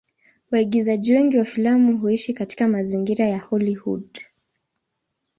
Waigizaji wengi wa filamu huishi katika mazingira ya Hollywood.